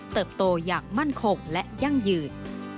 โตอย่างมั่นคงและยั่งยืน